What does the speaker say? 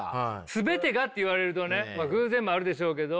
全てがって言われるとね偶然もあるでしょうけど。